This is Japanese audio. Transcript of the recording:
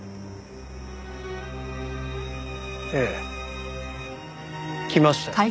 ええ来ましたよ。